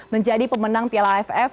menjadi pemenang piala aff